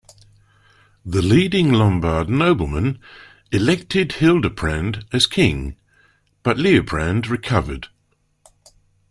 The leading Lombard noblemen elected Hildeprand as king, but Liutprand recovered.